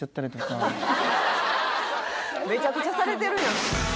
めちゃくちゃされてるやん